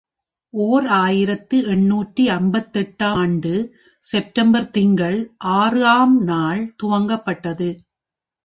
ஓர் ஆயிரத்து எண்ணூற்று ஐம்பத்தெட்டு ஆம் ஆண்டு செப்டம்பர் திங்கள் ஆறு ஆம் நாள் துவக்கப்பட்டது.